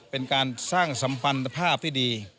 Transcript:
เป็นการสร้างสัมพันธภาพที่ดี